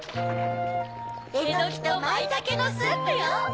えのきとまいたけのスープよ。